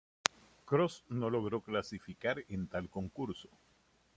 Croce no logró clasificar en tal concurso.